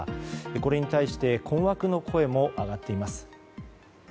これに対して困惑の声も上がっています。